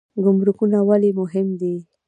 ګمرکونه ولې مهم دي؟